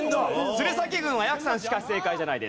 鶴崎軍はやくさんしか正解じゃないです。